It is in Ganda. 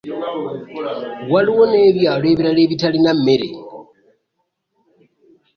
Waliwo n'ebyalo ebirala ebitalina mmere.